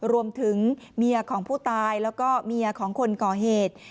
รวมถึงเมียของผู้ตายแล้วก็เมียของคนก่อเหตุ